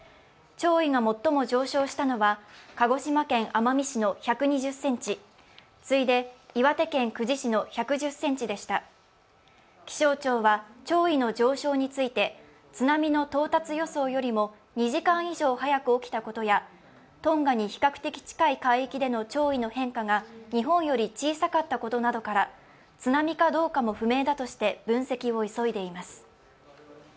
潮位が最も上昇したのは鹿児島県奄美市の１２０ｃｍ、次いで岩手県久慈市の１１０ｃｍでした気象庁は潮位の上昇について津波の到達予想よりも２時間以上早く起きたことや、トンガに比較的近い海域での潮位の変化が日本より小さかったことなどから津波かどうかも不明だとして分析を急いでいます。